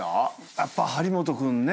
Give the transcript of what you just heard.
やっぱ張本君ね。